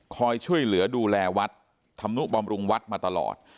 คอยช่วยเหลือดูแลวัดธรรมนุบำรุงวัดมาตลอด